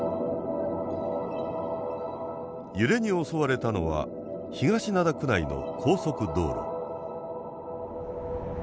揺れに襲われたのは東灘区内の高速道路。